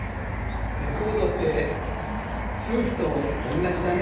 レコードって夫婦と同じだね。